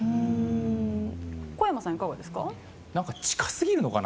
小山さんはいかがですか？